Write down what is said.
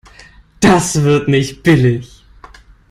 Das wird nicht billig.